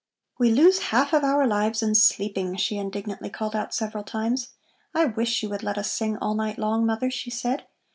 "We lose half of our lives in sleeping," she indignantly called out several times. "I wish you would let us sing all night long, Mother," she said.